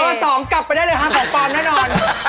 เบอร์๒กลับไปได้เลยหาฝ่าปลอมแน่นอน